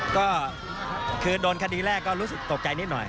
ก็คือโดนคดีแรกก็รู้สึกตกใจนิดหน่อย